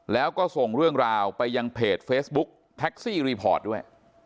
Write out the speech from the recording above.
แล้วก็ส่งเรื่องราวไปยังเพจเฟซบุ๊คแท็กซี่รีพอร์ตด้วย